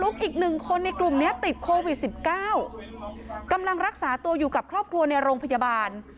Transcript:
คุณลุงทำร้ายกับครอบครัวในโรงพยาบาล